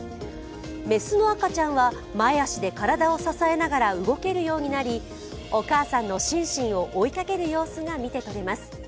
雌の赤ちゃんは前足で体を支えながら動けるようになり、お母さんのシンシンを追いかける様子が見て取れます。